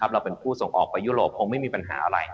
เราเป็นผู้ส่งออกไปยุโรปคงไม่มีปัญหาอะไร